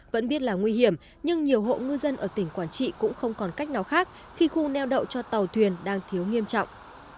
vẫn biết là nguy hiểm nhưng nhiều hộ ngư dân ở tỉnh quảng trị cũng không còn cách nào khác khi khu neo đậu cho tàu thuyền đang thiếu nghiêm trọng